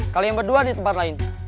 kalian berdua di tempat lain